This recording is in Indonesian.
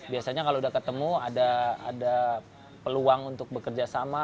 biasanya kalau sudah ketemu ada peluang untuk bekerjasama